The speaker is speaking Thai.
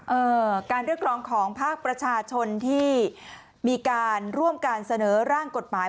เอ่อการเรียกร้องของภาคประชาชนที่มีการร่วมการเสนอร่างกฎหมาย